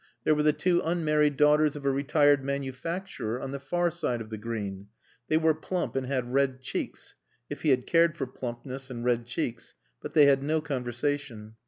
There were the two unmarried daughters of a retired manufacturer on the far side of the Green. They were plump and had red cheeks, if he had cared for plumpness and red cheeks; but they had no conversation.